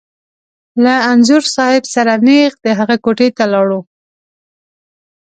له انځور صاحب سره نېغ د هغه کوټې ته لاړو.